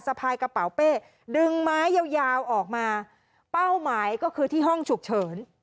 พายกระเป๋าเป้ดึงไม้ยาวยาวออกมาเป้าหมายก็คือที่ห้องฉุกเฉิน